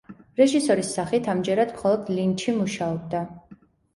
რეჟისორის სახით ამჯერად მხოლოდ ლინჩი მუშაობდა.